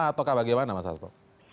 atau bagaimana mas hasto